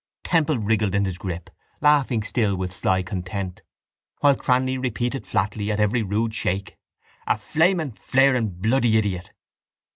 Temple wriggled in his grip, laughing still with sly content, while Cranly repeated flatly at every rude shake: —A flaming flaring bloody idiot!